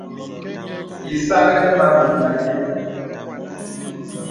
Ìsak ìnə mə abəŋ kìlì.